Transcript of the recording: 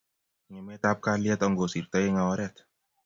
Ng'emetab kalyet angosirtoi eng oret.